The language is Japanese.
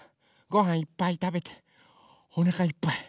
ごはんいっぱいたべておなかいっぱい。